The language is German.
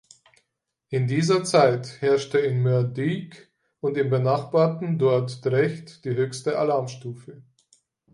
In dieser Zeit herrschte in Moerdijk und im benachbarten Dordrecht die höchste Alarmstufe.